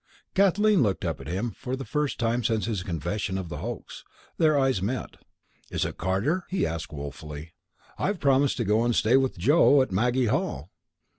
Kathleen looked up at him for the first time since his confession of the hoax. Their eyes met. "Is it Carter?" he asked, woefully. "I've promised to go and stay with Joe at Maggie Hall."